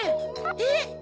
えっ！